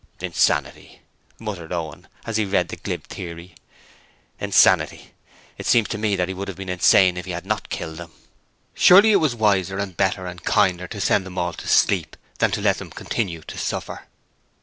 'Insanity!' muttered Owen, as he read this glib theory. 'Insanity! It seems to me that he would have been insane if he had NOT killed them.' Surely it was wiser and better and kinder to send them all to sleep, than to let them continue to suffer.